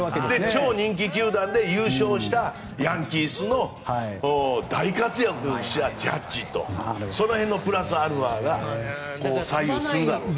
超人気球団で優勝したヤンキースで大活躍したジャッジとその辺のプラスアルファが左右するだろうと。